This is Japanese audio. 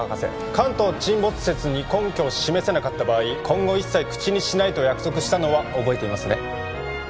関東沈没説に根拠を示せなかった場合今後一切口にしないと約束したのは覚えていますね